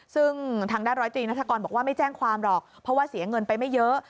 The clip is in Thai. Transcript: ซึ่งทางด้านร้อยตรีนัฐกรบอกว่าไม่แจ้งความหรอกเพราะว่าเสียเงินไปไม่เยอะ